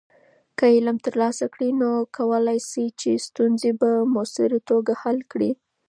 که علم ترلاسه کړې، نو کولی شې چې ستونزې په مؤثره توګه حل کړې.